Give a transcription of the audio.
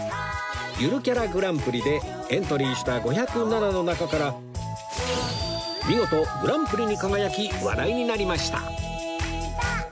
ゆるキャラグランプリでエントリーした５０７の中から見事グランプリに輝き話題になりました